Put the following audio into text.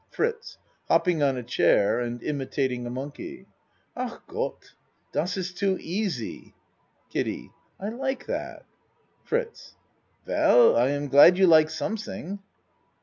FRITZ (Hopping on a chair and imitating a monkey.) Ach Gott! Dot iss too easy. KIDDIE I like that. FRITZ Well I am glad you like something.